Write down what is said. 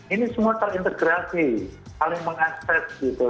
ini semua terintegrasi saling mengakses gitu